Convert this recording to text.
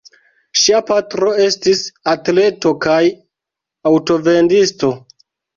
Ŝia patro estis atleto kaj aŭtovendisto.